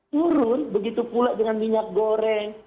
turun begitu pula dengan minyak goreng